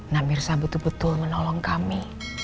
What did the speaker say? nak mirza betul betul menolong kami